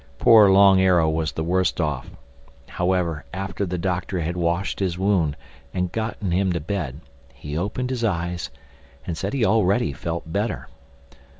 Poor Long Arrow was the worst off. However, after the Doctor had washed his wound and got him to bed, he opened his eyes and said he already felt better.